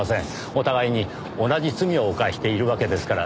お互いに同じ罪を犯しているわけですからねぇ。